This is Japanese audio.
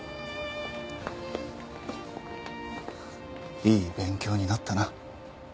いい勉強になったな。